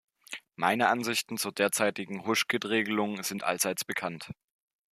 Meine Ansichten zur derzeitigen Hushkit-Regelung sind allseits bekannt.